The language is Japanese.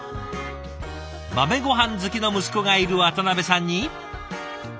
豆ごはん好きの息子がいる渡さんに。